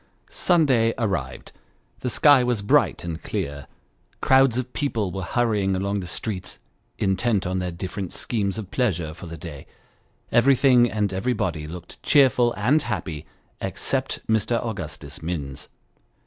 Sunday arrived ; the sky was bright and clear ; crowds of people were hurrying along the streets, intent on their different schemes of pleasure for the day ; everything and everybody looked cheerful and happy except Mr. Augustus Minns.